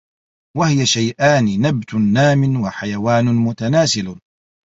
وَهِيَ شَيْئَانِ نَبْتٌ نَامٍ وَحَيَوَانٌ مُتَنَاسِلٌ